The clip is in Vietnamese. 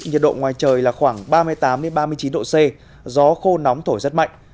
nhiệt độ ngoài trời là khoảng ba mươi tám ba mươi chín độ c gió khô nóng thổi rất mạnh